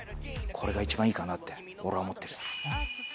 これが一番いいかなって俺は思ってる。